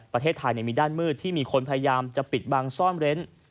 ประเทศไทยมีด้านมืดที่มีคนพยายามจะปิดบังซ่อนเร้น